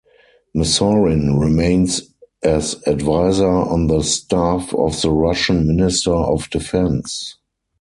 Masorin remains as advisor on the staff of the Russian Minister of Defense.